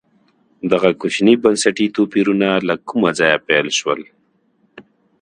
دغه کوچني بنسټي توپیرونه له کومه ځایه پیل شول.